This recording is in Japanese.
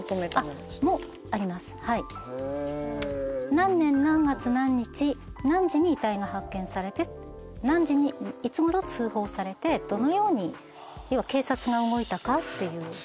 何年何月何日何時に遺体が発見されて何時にいつごろ通報されてどのように警察が動いたかっていう。